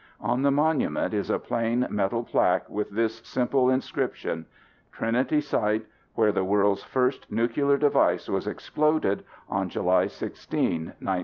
On the monument is a plain metal plaque with this simple inscription: "Trinity Site Where the World's First Nuclear Device Was Exploded on July 16, 1945."